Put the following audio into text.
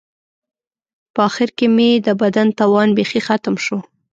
په آخر کې مې د بدن توان بیخي ختم شو.